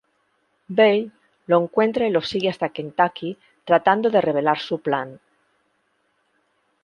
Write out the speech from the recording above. Vail lo encuentra y lo sigue hasta Kentucky, tratando de revelar su plan.